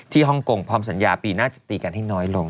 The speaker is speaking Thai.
ฮ่องกงพร้อมสัญญาปีหน้าจะตีกันให้น้อยลง